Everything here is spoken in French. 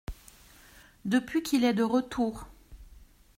Depuis qu’il est de retour.